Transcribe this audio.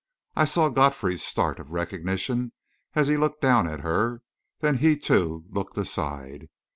I saw Godfrey's start of recognition as he looked down at her; then he, too, looked aside.